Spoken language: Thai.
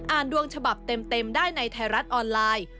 ดวงฉบับเต็มได้ในไทยรัฐออนไลน์